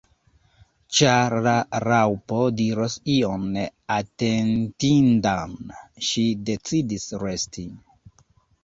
Ĉar la Raŭpo diros ion atentindan, ŝi decidis resti.